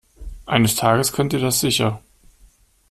Eines Tages könnt ihr das sicher.